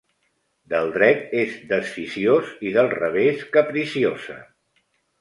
Del dret és desficiós i del revés capriciosa.